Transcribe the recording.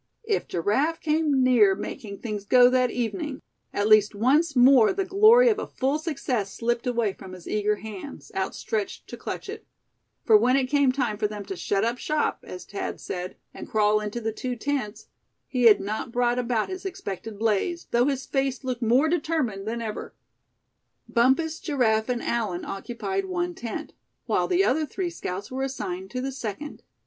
If Giraffe came near making things "go" that evening, at least once more the glory of a full success slipped away from his eager hands, outstretched to clutch it; for when it came time for them to "shut up shop," as Thad said, and crawl into the two tents, he had not brought about his expected blaze, though his face looked more determined than ever. Bumpus, Giraffe and Allan occupied one tent; while the other three scouts were assigned to the second.